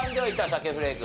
鮭フレーク。